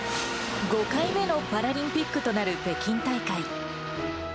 ５回目のパラリンピックとなる北京大会。